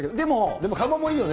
でも窯もいいよね、